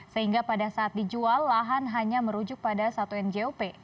sehingga pada saat dijual lahan hanya merujuk pada satu njop